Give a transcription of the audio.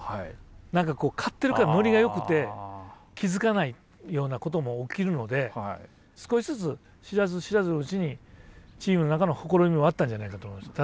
何か勝ってるからノリがよくて気付かないようなことも起きるので少しずつ知らず知らずのうちにチームの中のほころびもあったんじゃないかなと思います。